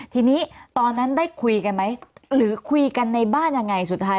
ทีนี้ตอนนั้นได้คุยกันไหมหรือคุยกันในบ้านยังไงสุดท้าย